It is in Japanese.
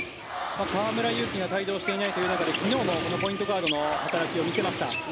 河村勇輝が帯同していない中で、昨日もポイントガードの働きを見せました。